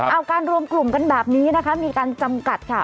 เอาการรวมกลุ่มกันแบบนี้นะคะมีการจำกัดค่ะ